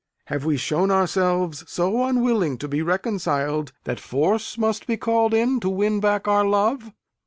Have we shown ourselves so unwilling to be reconciled that force must be called in to win back our love?